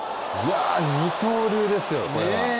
二刀流ですよ、これは。